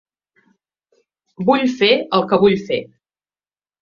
Vull fer el que vull fer.